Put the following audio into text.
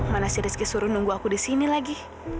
mana si rizky suruh nunggu aku disini lagi